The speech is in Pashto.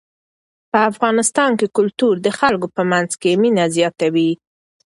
په افغانستان کې کلتور د خلکو په منځ کې مینه زیاتوي.